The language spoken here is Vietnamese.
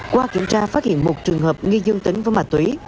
qua kiểm tra phát hiện một trường hợp nghi dương tính với ma túy